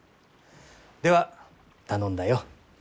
では頼んだよ。